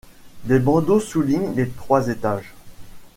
Des bandeaux soulignent les trois étages.